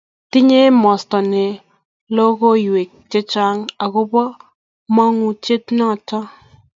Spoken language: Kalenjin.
tinyei emostoo ni lokoywek chechang akopo mangunet noto